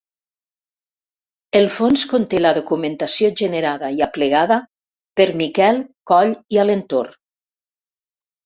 El fons conté la documentació generada i aplegada per Miquel Coll i Alentorn.